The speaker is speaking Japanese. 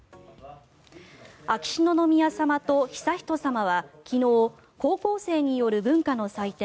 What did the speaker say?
秋篠宮さまと悠仁さまは昨日高校生による文化の祭典